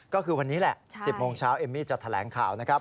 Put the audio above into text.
ก็คือวันนี้แหละ๑๐โมงเช้าเอมมี่จะแถลงข่าวนะครับ